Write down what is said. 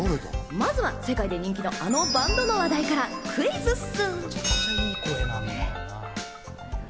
まずは世界で人気の、あのバンドの話題からクイズッス。